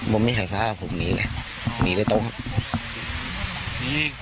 บนไม่ไขฟ้าผมหนีเลยหนีได้ตรงครับหนี